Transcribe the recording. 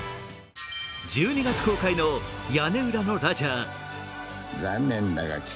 １２月公開「屋根裏のラジャー」。